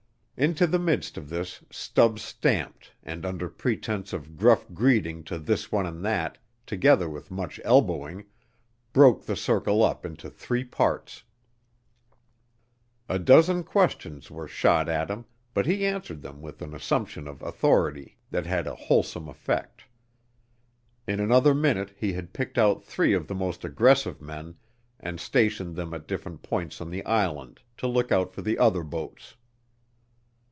Into the midst of this Stubbs stamped and under pretence of gruff greeting to this one and that, together with much elbowing, broke the circle up into three parts. A dozen questions were shot at him, but he answered them with an assumption of authority that had a wholesome effect. In another minute he had picked out three of the most aggressive men and stationed them at different points on the island to look out for the other boats.